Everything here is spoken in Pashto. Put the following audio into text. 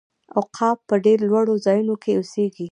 عقاب په ډیرو لوړو ځایونو کې اوسیږي